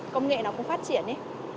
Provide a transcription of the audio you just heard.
công nghệ nó cũng phát triển ý